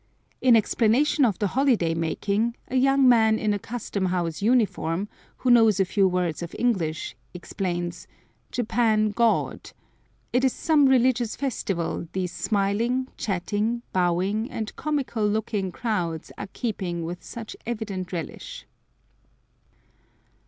In explanation of the holiday making, a young man in a custom house uniform, who knows a few words of English, explains "Japan God " it is some religious festival these smiling, chatting, bowing, and comical looking crowds are keeping with such evident relish.